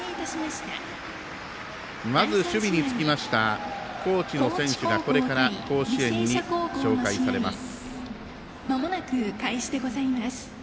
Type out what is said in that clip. まず、守備につきました高知の選手がこれから、甲子園に紹介されます。